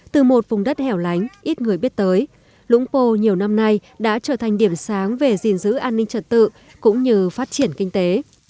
từ một vùng đất hẻo lánh ít người biết tới lũng pô nhiều năm nay đã trở thành điểm sáng về gìn giữ an ninh trật tự cũng như phát triển kinh tế